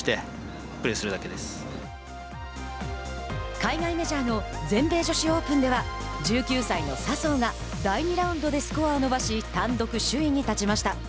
海外メジャーの全米女子オープンでは１９歳の笹生が第２ラウンドでスコアを伸ばし単独首位に立ちました。